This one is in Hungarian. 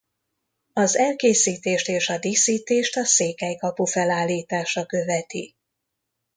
Az elkészítést és a díszítést a székely kapu felállítása követi.